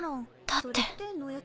だって。